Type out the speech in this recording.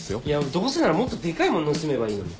どうせならもっとデカいもん盗めばいいのに。